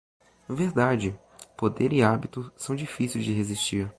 Verdade, poder e hábitos são difíceis de resistir.